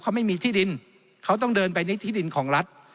เขาไม่มีที่ดินเขาต้องเดินไปในที่ดินของรัฐ